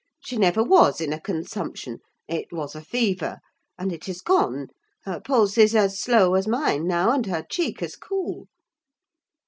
She never was in a consumption. It was a fever; and it is gone: her pulse is as slow as mine now, and her cheek as cool."